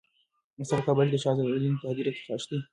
استاد په کابل کې د شهدا صالحین په هدیره کې خښ دی.